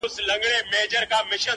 • د سر په غم کي ټوله دنیا ده,